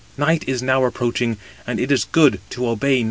Night is now approaching, and it is good to obey night."